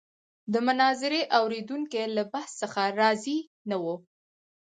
د مناظرې اورېدونکي له بحث څخه راضي نه وو.